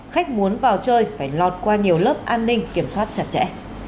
khách muốn vào chơi phải lọt qua nhiều lớp an ninh kiểm soát chặt chẽ